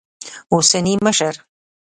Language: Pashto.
اوسني مشر